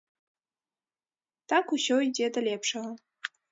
Так усё ідзе да лепшага.